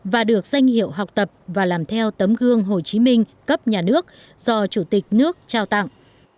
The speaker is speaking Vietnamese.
và được danh hiệu học tập và làm theo tấm gương hồ chí minh cấp nhà nước do chủ tịch nước trao tặng